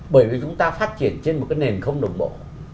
bởi vì chúng ta phát triển trên một cái nền không đồng bộ